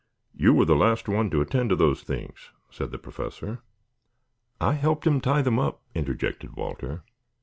You were the last one to attend to those things," said the Professor. "I helped him tie them up," interjected "Walter.